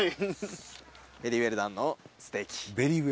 ベリーウェルダンのステーキ。